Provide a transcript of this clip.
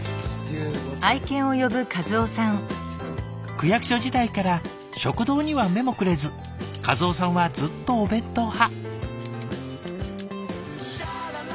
「区役所時代から食堂には目もくれず和雄さんはずっとお弁当派」。